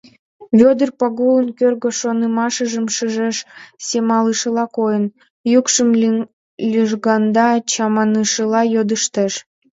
Вӧдыр Пагулын кӧргӧ шонымашыжым шижеш, семалышыла койын, йӱкшым лыжгаҥда, чаманышыла йодыштеш: